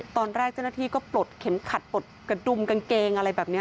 ตอนแรกเจ้าหน้าที่ก็ปลดเข็มขัดปลดกระดุมกางเกงอะไรแบบนี้